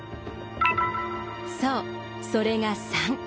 そうそれが３。